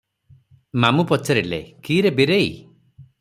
ମାମୁ ପଚାରିଲେ, "କି ରେ ବୀରେଇ!